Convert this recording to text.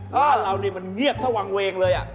บ้านเรานี่มันเงียบถ้าวางเวงเลย